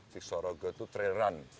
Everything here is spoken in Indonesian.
di sorogo itu trail run